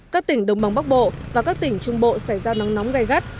các tỉnh đồng bằng bắc bộ và các tỉnh trung bộ xảy ra nắng nóng gai gắt